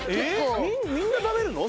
みんな食べるの？